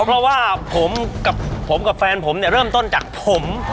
เพราะว่าผมกับผมกับแฟนผมเนี่ยเริ่มต้นจากผม